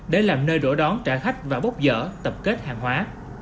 để làm nơi đổ đón trả khách và bốc dở tập kết hàng hóa